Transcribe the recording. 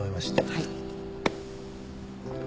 はい。